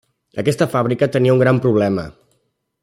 Aquesta fàbrica tenia un gran problema.